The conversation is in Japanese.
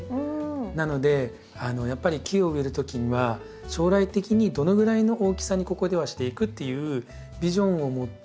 なのでやっぱり木を植えるときには将来的にどのぐらいの大きさにここではしていくっていうビジョンを持って。